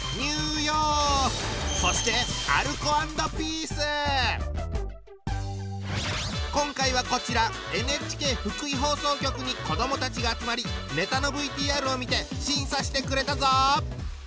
そして今回はこちらＮＨＫ福井放送局に子どもたちが集まりネタのＶＴＲを見て審査してくれたぞ。